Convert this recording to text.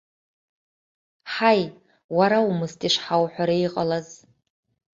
Ҳаи, уара умыст ишҳауҳәара иҟалаз.